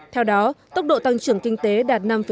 theo đó tốc độ tăng trưởng kinh tế đạt năm chín mươi sáu